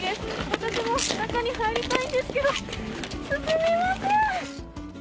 私も中に入りたいんですけど進めません。